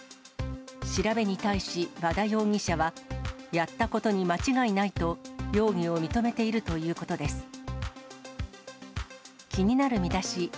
調べに対し、和田容疑者は、やったことに間違いないと、容疑を認めているということです。